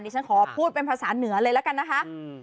ฉันขอพูดเป็นภาษาเหนือเลยละกันนะคะ